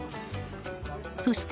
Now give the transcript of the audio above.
そして